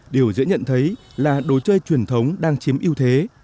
điều dễ nhận thấy là đồ chơi truyền thống đang chiếm ưu thế